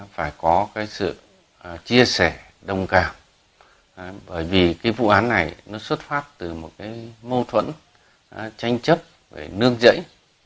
vì vụ hội này xuất phát từ một mâu thuẫn tranh chấp về nương giẫy